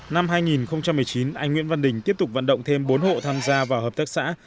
năm hai nghìn một mươi chín anh nguyễn văn đình tiếp tục vận động thêm bốn hộ tham gia vào hợp tác xã